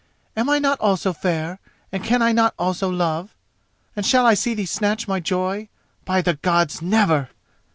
Am I not also fair and can I not also love, and shall I see thee snatch my joy? By the Gods, never!